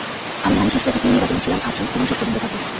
আমি ধানের শীষ প্রতীক নিয়ে নির্বাচনে ছিলাম আছি এবং শেষপর্যন্ত থাকব।